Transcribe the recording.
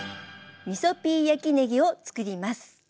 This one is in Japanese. みそピー焼きねぎをつくります。